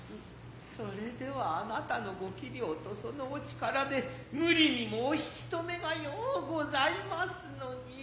それでは貴方の御容色と其のお力で無理にもお引留めが可うございますのに。